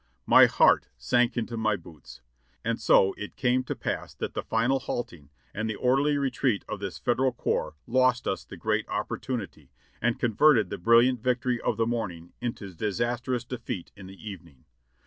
"My heart sank into my boots. And so it came to pass that the fatal halting, and the orderly retreat of this Federal corps lost us the great opportunity, and converted the brilliant victory of the morning into disastrous defeat in the evening.